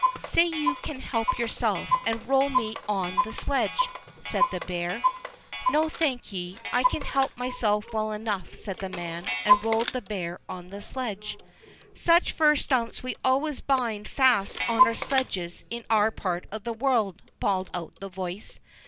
"Say you can help yourself, and roll me up on the sledge," said the bear. "No, thank ye, I can help myself well enough," said the man, and rolled the bear on the sledge. "Such fir stumps we always bind fast on our sledges in our part of the world," bawled out the voice.